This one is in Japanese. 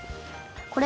これ？